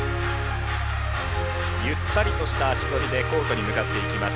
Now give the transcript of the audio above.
ゆったりとした足取りでコートに向かっていきます